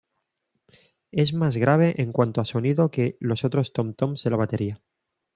Es más grave en cuanto a sonido que los otros tom-toms de la batería.